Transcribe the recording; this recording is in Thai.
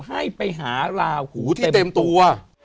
ให้ไปหาลาหูที่เต็มตัว